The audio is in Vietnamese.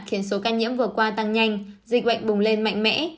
khiến số ca nhiễm vừa qua tăng nhanh dịch bệnh bùng lên mạnh mẽ